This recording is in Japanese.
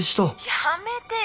やめてよ。